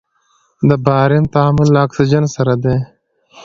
د باریم تعامل له اکسیجن سره دی.